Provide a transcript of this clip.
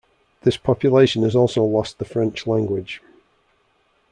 This population has also lost the French language.